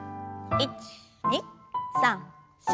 １２３４。